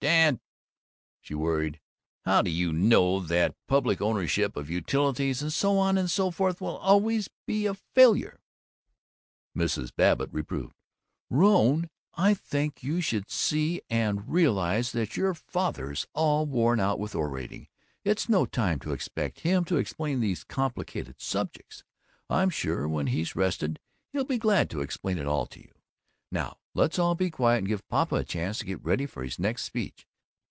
"Dad," she worried, "how do you know that public ownership of utilities and so on and so forth will always be a failure?" Mrs. Babbitt reproved, "Rone, I should think you could see and realize that when your father's all worn out with orating, it's no time to expect him to explain these complicated subjects. I'm sure when he's rested he'll be glad to explain it to you. Now let's all be quiet and give Papa a chance to get ready for his next speech.